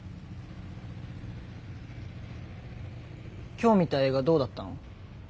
今日見た映画どうだったの？